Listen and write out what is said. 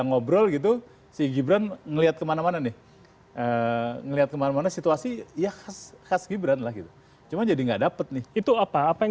ngelihat kemana mana situasi ya khas khas gibran lagi cuma jadi nggak dapet nih itu apa apa yang